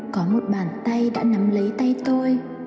có một bàn tay đã nắm lấy tay tôi